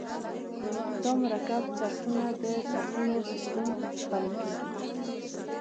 دا مرکب څرخونه د څرخونو سیستم بلل کیږي.